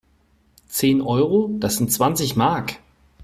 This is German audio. Zehn Euro? Das sind zwanzig Mark!